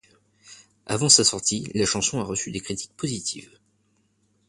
Avant sa sortie, la chanson a reçu des critiques positives.